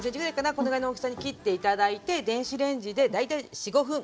このぐらいの大きさに切って頂いて電子レンジで大体４５分かけた感じですね。